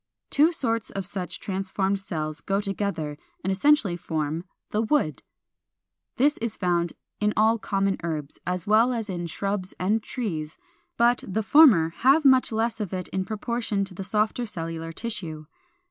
Two sorts of such transformed cells go together, and essentially form the 408. =Wood.= This is found in all common herbs, as well as in shrubs and trees, but the former have much less of it in proportion to the softer cellular tissue.